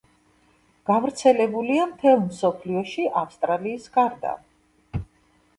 გავრცელებულია მთელ მსოფლიოში ავსტრალიის გარდა.